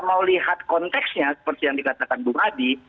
mau lihat konteksnya seperti yang dikatakan bung adi